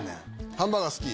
ハンバーガー好き？